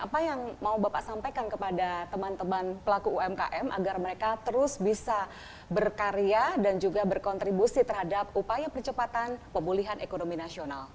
apa yang mau bapak sampaikan kepada teman teman pelaku umkm agar mereka terus bisa berkarya dan juga berkontribusi terhadap upaya percepatan pemulihan ekonomi nasional